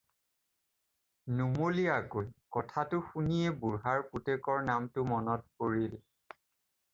"নুমলীয়াকৈ" কথাটো শুনিয়েই বুঢ়াৰ পুতেকৰ নামটো মনত পৰিল।"